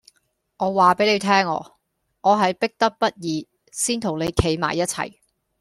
我話俾你聽啊，我係逼不得已先同你企埋一齊